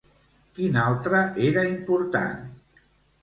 Quin altre era important?